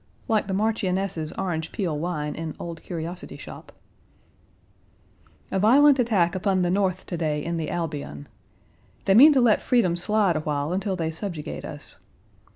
Like the Marchioness's orange peel wine in Old Curiosity Shop. Page 119 A violent attack upon the North to day in the Albion. They mean to let freedom slide a while until they subjugate us.